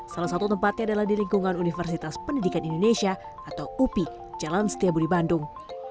salah satu tempatnya adalah di lingkungan universitas pendidikan indonesia atau upi jalan setiabudi bandung